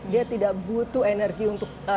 dia tidak butuh energi untuk